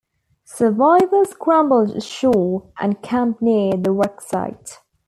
Survivors scrambled ashore and camped near the wreck site.